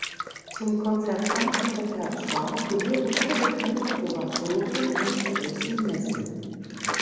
Zum konzertanten Repertoire gehören alle bekannten Oratorien und großen Messen.